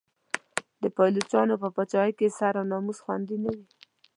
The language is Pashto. د پایلوچانو په پاچاهۍ کې سر او ناموس خوندي نه و.